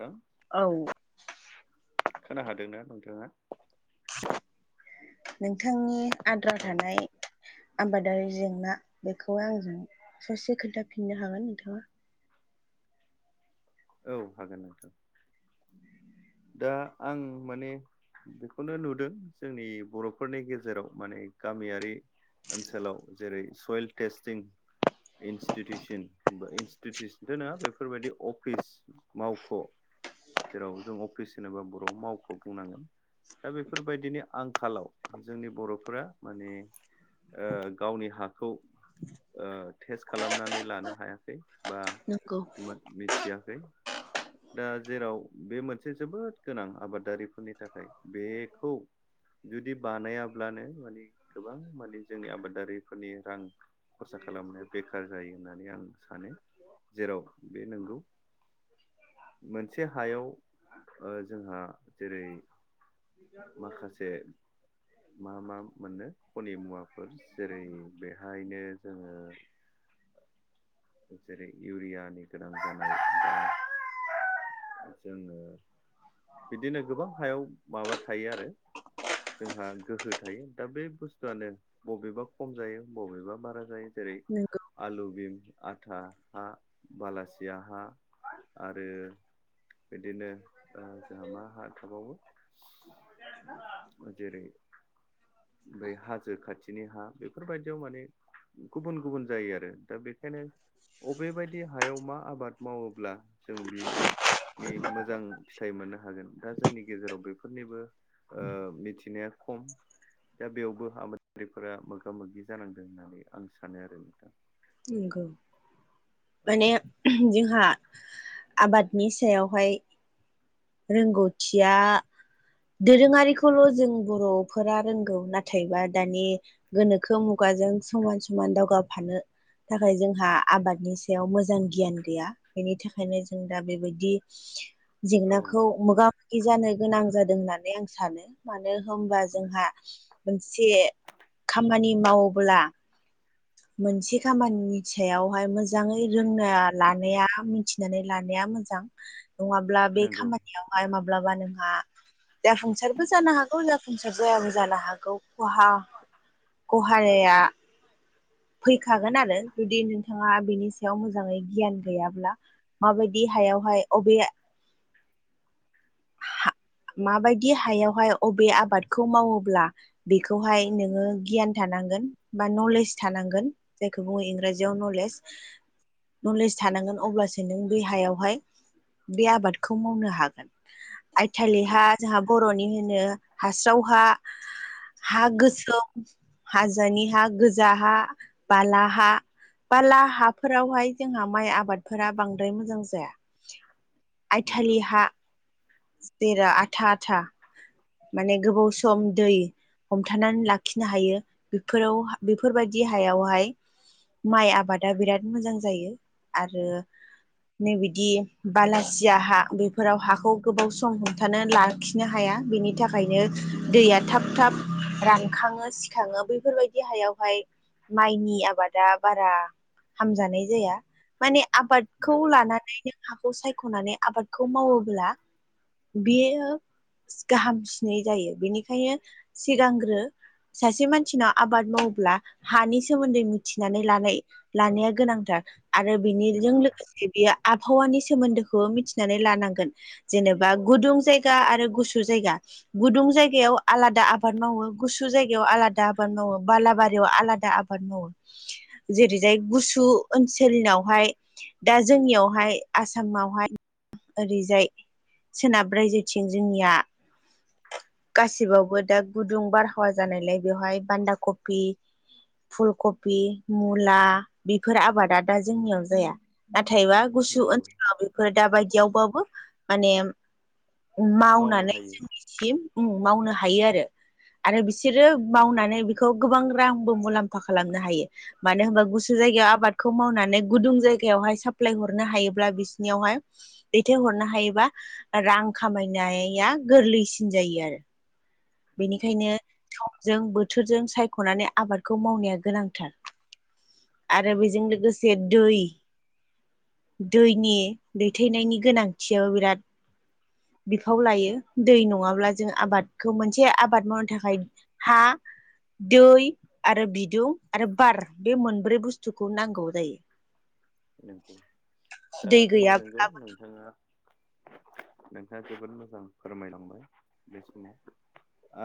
हो औ खोना हादोंना नोंथाङा? नोंथांनि आद्रा औ थानाय आबादारि जेंना बेखौ आंजों ससे खोन्थाफिननो हागोन नोंथाङा? औ हागोन नोंथां। दा आं माने बेखौनो नुदों जोंनि बर'फोरनि गेजेराव माने गामियारि ओनसोलाव जेरै सयेल टेस्टिं इनस्टिटिउसना इन्स्टिटिउसनथ' नङा बेफोरबायदि अफिस मावख' जेराव जों अफिस होनोबा बर' मावख' बुंनांगोन। दा बेफोरबायदिनि आंखालाव जोंनि बर'फोरा माने ओ गावनि हाखौ ओ टेस्ट खालामनानै लानो हायाखै बा नंगौ मो मिथियाखै दा जेराव बे मो नसे जोबोद गोनां आबादारिफोरनि थाखाय बेखौ जुदि बानायाब्लानो माने गोबां माने जोंनि आबादारिफोरनि रां खरसा खालामनाया बेखार जायो होननानै आं सानो जेराव बे नंगौ। मोनसे हायाव ओ जोंहा जेरै माखासे मा मा मोनो खनि मुवाफोर जेरै बेहायनो जोङो [inaudible] जेरै इउरियानि गोनां जानाय जोङो बिदिनो गोबां हायाव माबा थायो आरो जोंहा गोहो थायो दा बे बुस्थुआनो बबेबा खम जायो बबेबा बारा जायो। जेरै नंगौ आलु बिम आथा हा बालासिया हा आरो बिदिनो जोंहा मा हा थाबावो जेरै ओमफ्राय हाजो खाथिनि हा बेफोरबायदियाव माने गुबुन गुबुन जायो आरो दा बेखायनो अबेबायदि हायाव मा आबाद मावोब्ला जों बे नि मोजां फिथाइ मोननो हागोन दा जोंनि गेजेराव बेफोरनिबो मिथिनाया खम दा बेयावबो आबादारिफोरा मोगा मोगि जानांदों होननानै आं सानो आरो नोंथां नोंगौ औ माने जोंहा आबादनि सायावहाय रोंगौथिया दोरोङारिखौल' जों बर'फोरा रोंगौ नाथायबा दानि गोनोखो मुगाजों समान समान दावगाफानो थाखाय जोंहा आबादनि सायाव मोजां गियान गैया बेनि थाखायनो जों दा बेबायदि औ जेंनाखौ मोगा मोगि जानो गोनां जादों होननानै आं सानो मानो होनबा जोंहा मोनसे खामानि मावोब्ला मोनसे खामानिनि सायावहाय मोजाङै रोंना लानाया मिथिनानै लानाया मोजां नङाब्ला बे नंगौ खामानियावहाय माब्लाबा नोंहा जाफुंसारबो जानो हागौ जाफुंसार जायाबो जानो हागौ खहा गहाराया फैखागोन आरो जुदि नोंथाङा बेनि सायाव मोजाङै गियान गैयाब्ला माबायदि हायावहाय अबे हा माबायदि हायावहाय अबे आबादखौ मावोब्ला बेखौहाय नोङो गियान थानांगोन बा नलेज थानांगोन जायखौ बुङो इंराजियाव नलेज नलेज थानांगोन अब्लासो नों बे हायावहाय बे आबादखौ मावनो हागोन थटालि नंगौ हा जोंहा बर'नि होनो हास्राव हा हा नंगौ गोसौ हाजानि हा गोजा हा बाला हा बाला हाफोरावहाय जोंहा माइ आबादफोरा बांद्राय मोजां जाया नंगौ आयथालि हा जेरा आथा आथा माने गोबाव सम दै हमथानानै लाखिनो हायो बेफोराव बेफोरबायदि हायावहाय माइ आबादा बिराद मोजां जायो आरो नै बिदि बालासिया हा बेफोराव हाखौ गोबाव सम हमथानो लाखिनो हाया बेनि थाखायनो दैया थाब थाब रानखाङो थाङो बैफोरबायदि हायावहाय माइनि आबादा बारा हामजानाय जाया माने आबादखौ नंगौ लानानै नों हाखौ सायख'नानै आबादखौ मावोब्ला बेयो गाहाम सिनै जायो बेनिखायनो सिगांग्रो सासे मानसिनाव आबाद मावोब्ला हानि सोमोन्दै मिथिनानै लानाय लानाया गोनांथार आरो बिनिजों नंगौ लोगोसे बेयो आबहावानि सोमोन्दोखौबो मिथिनानै लानांगोन जेनेबा गुदुं जायगा आरो गुसु जायगा गुदुं जायगायाव आलादा आबाद मावो गुसु जायगायाव आलादा आबाद मावो बालाबारियाव आलादा आबाद मावो जेरैजाय गुसु ओनसोलनावहाय दा जोंनियावहाय आसामावहाय ओरैजाय सोनाब्रायजोेथिं जोंनिया गासिबावबो दा गुदुं बारहावा जानायलाय बेवहाय बान्दा कफि फुलकफि, मुला बेफोर आबादा दा जोंनियाव जाया नाथायबा गुसु नंगौ ओनसोलाव फोर दााबायदियावबाबो माने मावनो मावनानै हायो जों सिम उ मावनो हायो आरो आरो बिसोरो मावनानै बेखौ गोबां रांबो मुलाम्फा खालामनो हायो मानो होनबा गुसु जायगायाव आबादखौ मावनानै गुदुं जायगायावहाय साप्लाय हरनो हायोब्ला बिसनियावहाय दैथायहरनो हायोबा रां खामायनाया गोरलैसिन जायो आरो नंगौ बेनिखायनो सजों बोथोरजों सायख'नानै आबादखौ मावनाया गोनांथार आरो बेजों लोगोसे नंगौ दै दैनि दैथायनायनि गोनांथियाबो बिराद बिफाव लायो दै नङाब्ला जों आबाद खौ मोनसे आबाद मावनो थाखाय हा दै आरो बिदुं आरो बार बे मोनब्रै बुस्थुखौ नांगौ जायो। [inaudible] नंगौ दा दै जोङो नंगौ गैयाब्लाबो नोंथाङा नोंथाङा जोबोद मोजां फोरमायलांबाय बे समाव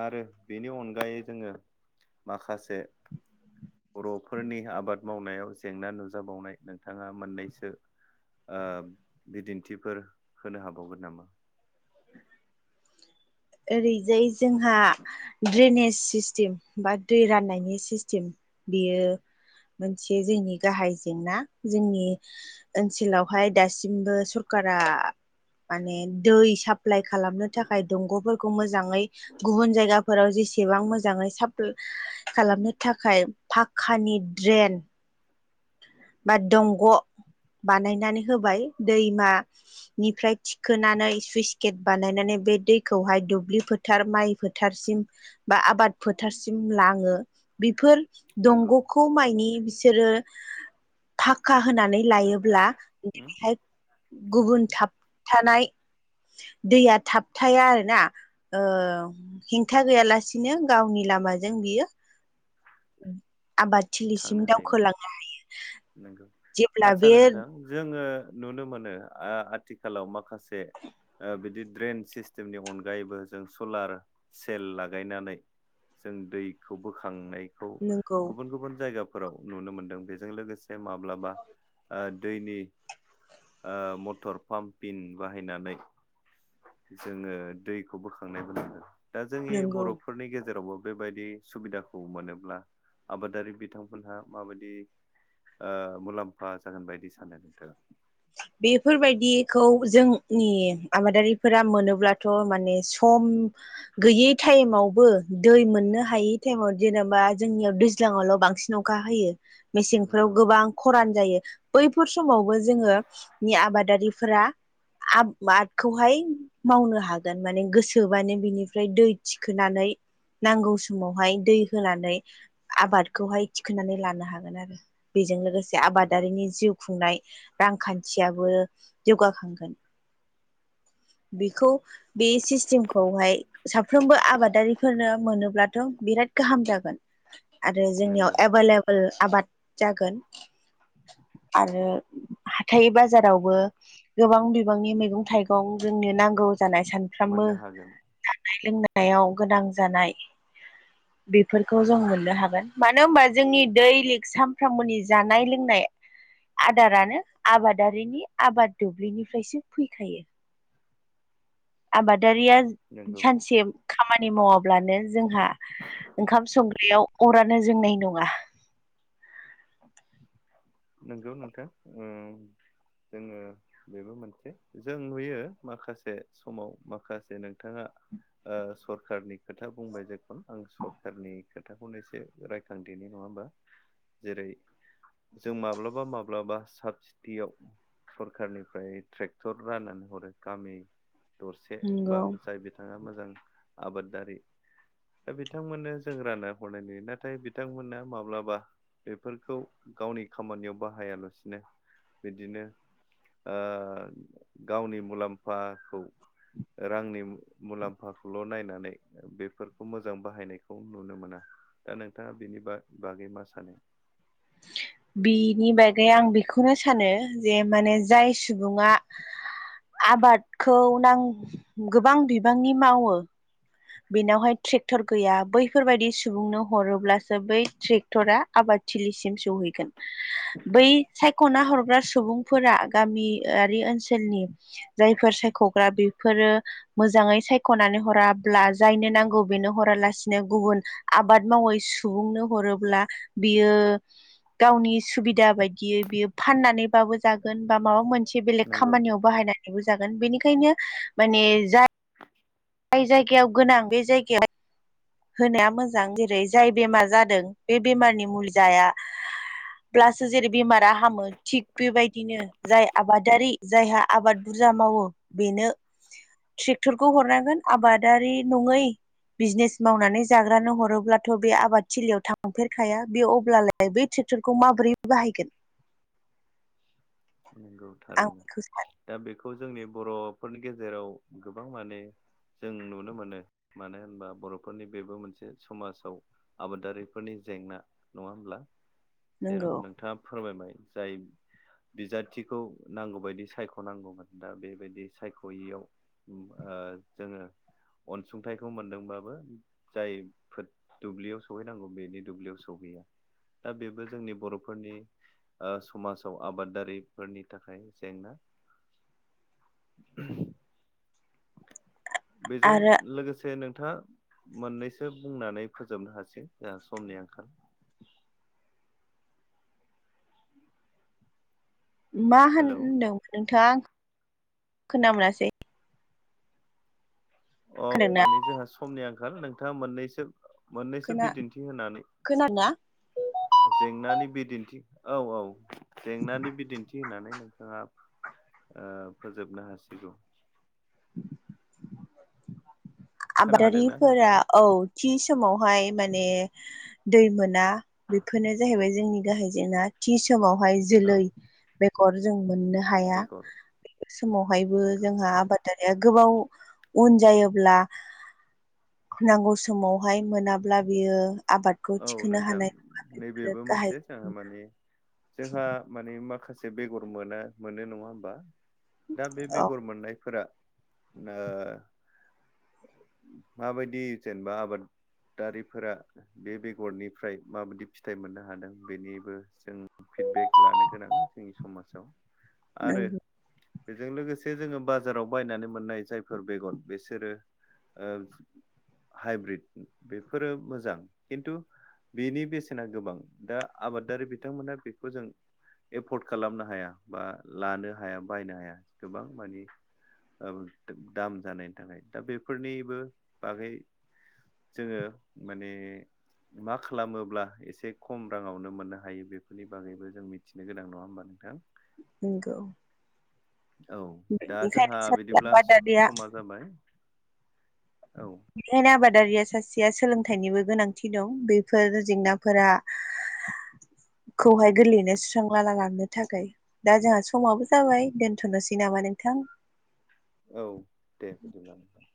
आरो बेनि अनगायै जोङो माखासे बर'फोरनि आबाद मावनायाव जेंना नुजाबावनाय नोंथाङा मोननैसो ओ बिदिन्थिफोर होनो हाबावगोन नामा? ओरैजाय जोंहा ड्रेनेज सिस्टेम बा दै राननायनि सिस्टेम बियो मोनसे जोंनि गाहाय जेंना जोंनि ओनसोलावहाय दासिमबो सरखारारा माने दै स एप्लाइ खालामनो थाखाय दंग'फोरखौ मोजाङै गुबुन जायगाफोराव जेसेबां मोजाङै साप - खालामनो थाखाय पाखक्कानि ड्रेन बा दंग' बानायनानै होबाय दैमा निफ्राय थिखोनानै सुइस गेट बानायनानै बे दैखौहाय दुब्लि फो फोथार माइ फोथारसिम बा आबाद फोथारसिम लाङो। बेफोर नंगौ दंग'खौ माइनि बिसोरो फाखा होनानै लायोब्ला उम बेहाय गुबुन थांगोन थाबथानाय दैया थाबथाया आरो ना ओ हेंथा गैयालासिनो गावनि लामाजों बियो आबाद थिलिसिम दावखोलांनो हायो। नंगौ आदसा नोंथां जोङो नुनो मोनो ओ आथिखालाव माखासे बिदि ड्रेन सिस्टेम नि अनगायैबो जों सलार सेल लागायनानै जों दैखौ बोखांनायखौ नंगौ गुबुन गुबुन जायगाफोराव नुनो मोनदों बेजों लोगोसे माब्लाबा ओ दैनि ओ मटर पाम्पिन बाहायनानै जोङो दैखौ बोखांनाय नुनो मोनदों दा जोंनि नंगौ बर' फोरनि गेजेरावबो बेबायदि सुबिदाखौ मोनोब्ला आबादारि बिथांमोनहा माबायदि ओ मुलाम्फा जागोन बायदि सानो नोंथाङा बेफोरबायदिखौ जोंनि आबादारिफोरा मोनोब्लाथ' माने सम गैयै टाइमावबो दै मोननो हायै टाइमाव जेनेबा जोंनियाव दैज्लाङावल' बांसिन अखा अखा होयो मेसेंफोराव नंगौ गोबां खरान जायो बैफोर समावबो जोङो नि आबादारिफोरा आबादखौहाय मावनो हागोन माने गोसोबानो बिनिफ्राय दै थिखोनानै नांगौ समावहाय दै होनानै आबादखौहाय थिखांनानै लानो हागोन आरो बेजों लोगोसे नंगौ आबादारिनि जिउ खुंनाय रांखान्थि मानसियाबो जौगाखांगोन बेखौ बे सिस्टेमखौहाय साफ्रोमबो आबादारिफोरनो मोनोब्लाथ' बिराद गाहाम जागोन। आरो जोंनियाव नंगौ एभेलेबेल ओ आबाद जागोन आरो हाथाइ बाजारावबो गोबां बिबांनि मैगं थाइगं जोंनो नांगौ जानाय सान सानफ्रामबो मोननो हागोन जानाय लोंनायाव गोनां जानाय बेफोरखौ जों मोननो हागोन मानो होनबा जोंनि दैलि सानफ्रोमबोनि जानाय लोंनाय आदारानो आबादारिनि आबाद दुब्लिनिफ्रायसो फैखायो आबादारिया नंगौ सानसे खामानि मावाब्लानो जोंहा ओंखाम संग्रायाव अरानो जोंनाय नङा। नंगौ नोंथां ओं जोङो बेबो मोनसे जों नुयो माखासे समाव माखासे नोंथाङा ओ सरखारनि खोथा बुंबाय जे आं सरखारनि खोथाखौनो एसे रायखांदेरनि नङा ओमबा जेरै जों माब्लाबा माब्लाबा साब सि डियाव सरखारनिफ्राय ट्रेक्टर राननानै हरो गामि दरसे बा नंगौ जाय नोंथाङा मोजां आबादारि दा बिथांमोननो जों राननानै हरनाय नुयो नाथाय बिथांमोना माब्लाबा बेफोरखौ गावनि खामानियाव बाहायालासिनो बिदिनो ओ गावनि मुलाम्फाखौ रांनि मुलाम्फाखौल' नायनानै बेफोरखौ मोजां बाहायनायखौ नुनो मोना। दा नोंथाङा बेनि बागै मा सानो? बिनि बागै आं बेखौनो सानो जे माने जाय सुबुङा आबादखौ गोबां बिबांनि मावो। बेनावहाय ट्रेक्टर गैया बैफोरबायदि सुबुंनो हरोब्लासो बै ट्रेक्टर टरा आबादथिलिसिम सौहैगोन। बै सायख'ना हरग्रा सुबुंफोरा गामियारि ओनसोलनि जायफोर सायख'ग्रा बेफोरो मोजाङै सायख'नानै हराब्ला जायनो नांगौ बेनो हरालासिनो गुबुन आबाद मावै सुबुंनो हरोब्ला बियो गावनि सुबिदा बायदियै बियो फाननानैबाबो जागोन बा माबा मोन। थि बेलेग नंगौ खामानियाव बाहायना दिहुनजागोन बेनिखायनो माने जाय जाय जायगायाव गोनां बे जायगायावहा होनाया मोजां जेरै जाय बेमार जादों बे बेमारनि मुलिजाया ब्लासो जेरै बेमारा हामो थिग बेबायदिनो जाय आबादारि जायहा आबाद बुरजा मावो बेनो ट्रेक्टरखौ हरनांगोन आबादारि नङै बिजनेस मावनानै जाग्रानो हरोब्लाथ' बे आबाद थिलियाव थांफेरखाया बे अब्लालाय बै ट्रेक्टरखौ माबोरै बाहायगोन। नंगौ आं थारैनो बेखौ सानो दा बेखौ जोंनि बर'फोरनि गेजेराव गोबां माने जों नुनो मोनो मानो होनबा बर'फोरनि बेबो मोनसे समाजाव आबादारिफोरनि जेंना नङा होमब्ला जेराव नंगौ नोंथाङा फोरमायबाय जाय बिजाथिखौ नांगौबायायदि सायख'नांगौमोन दा बेबायदि सायख'यैयाव उम ओ जोङो अनसुंथाइखौ मोनदोंबाबो जायफोर दुब्लियाव सहैनांगौ बेनि दुब्लियाव सहैया। दा बेबो जोंनि बर'फोरनि समाजाव आबाद दारिफोरनि थाखाय जेंना बेजों आरो लोगोसे नोंथाङा मोननैसो बुंनानै फोजोबनो हासै जोंहा समनि आंखाल [inaudible] मा होन हेलौ होनदों नोंथाङा आं खोना मोनासै अ खोनादोंना माने जोंहा समनि आंखाल नोंथाङा मोननैसो मोननैसो खोना बिदिन्थि होनानै खोनादोंना जेंनानि बिदिन्थि औ औ जेंनानि बिदिन्थि थि होनानै नोंथाङा फोजोबनो हासिगौ [inaudible] खोना हादोंना आबादारिफोरा नोंथाङा औ थि समावहाय माने दै मोना बेफोरनो जाहैबाय जोंनि गाहाय जेंना थि समावहाय औ जोलै बेगर जों मोननो हाया बेगर बे समावहायबो नंगौ जोंहा आबाद दारिया गोबाव उन जायोब्ला नांगौ समावहाय मोनाब्ला बियो आबादखौ औ थिखोनो नोंथां हानाय नङा बेफोरो नैबेबो गाहाय मोनसे जोंहा माने जोंहा माने माखासे बेगर मोना मोनो नङा होमबा दा बे औ बेगर मोननायफोरा माबायदि जेनेबा आबादारिफोरा बे बेगरनिफ्राय माबायदि फिथाइ मोननो हादों बेनिबो जों फिडबेक लानो गोनां जोंनि समाजाव [inaudible] आरो बेजों लोगोसे जोङो बाजाराव बायनानै मोननाय जायफोर बेगन बेसोरो ओ हाइब्रिद बेफोरो मोजां खिन्थु बेनि बेसेना गोबां दा आबादारि बिथांमोना बेखौ जों एफर्ड खालामनो हाया बा लानो हाया बायनो हाया गोबां माने ओ दाम जानायनि थाखाय दा बेफोरनिबो बागै जोङो माने मा खालामोब्ला एसे खम राङावनो मोननो हायो बेफोरनि बागैबो जों मिथिनो गोनां नङा होमबा नोंथां निंगौ औ दा जोंहा सासे बिदिब्ला आबादारिया समा जाबाय औ बेखायनो आबादारिया सासेया सोलोंथाइनिबो गोनांथि दं बेफोर जेंनाफोरा खौहाय गोरलैयैनो सुस्रांला लांनो थाखाय दा जोंहा समाबो जाबाय दोनथ'नोसै नामा नोंथां औ दे बिदिब्ला नोंथां